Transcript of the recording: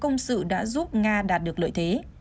công sự đã giúp nga đạt được lợi thế